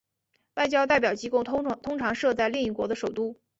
外交代表机构通常设在另一国的首都。